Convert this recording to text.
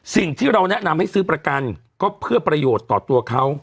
สิ่งที่เราแนะนำให้ซื้อประกันก็เพื่อประโยชน์ต่อตัวเขา